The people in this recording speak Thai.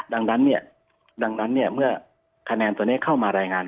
ดังนั้นเมื่อคะแนนตัวนี้เข้ามารายงาน